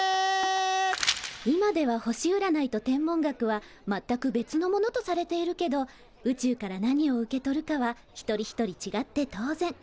今では星うらないと天文学はまったく別のものとされているけど宇宙から何を受け取るかは一人一人ちがって当然。